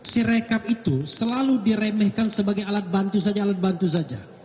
si rekap itu selalu diremehkan sebagai alat bantu saja